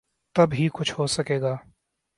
تب ہی کچھ ہو سکے گا۔